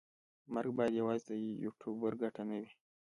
مرکه باید یوازې د یوټوبر ګټه نه وي.